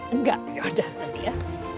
enggak yaudah nanti ya